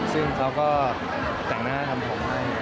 ซึ่งเขาก็แต่งหน้าทำผมให้